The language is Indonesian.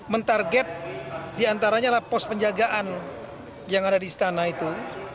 mentarget diantaranya adalah pos penjagaan yang ada di istana itu